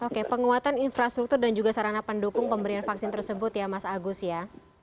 oke penguatan infrastruktur dan juga sarana pendukung pemberian vaksin tersebut ya mas agus ya